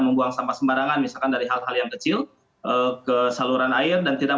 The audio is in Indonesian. membuang sampah sembarangan misalkan dari hal hal yang kecil ke saluran air dan tidak